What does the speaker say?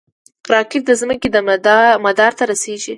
راکټ د ځمکې مدار ته رسېږي